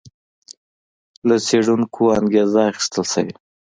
له څېړونکو انګېزه اخیستل شوې.